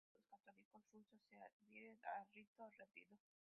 Casi todos los católicos rusos se adhieren al rito latino.